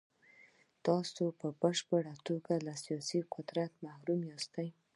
تاسو په بشپړه توګه له سیاسي قدرت محروم یاست.